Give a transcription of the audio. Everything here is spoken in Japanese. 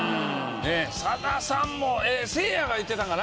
さださんもせいやが言ってたんかな？